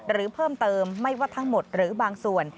หรือเพิ่มเติมไม่ว่าทั้งหมดหรือบางส่วน